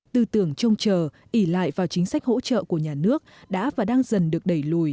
tư tưởng trông chờ ỉ lại vào chính sách hỗ trợ của nhà nước đã và đang dần được đẩy lùi